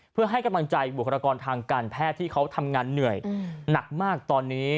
เพื่อให้กำลังใจบุคลากรทางการแพทย์ที่เขาทำงานเหนื่อยหนักมากตอนนี้